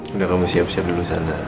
udah kamu siap siap dulu sana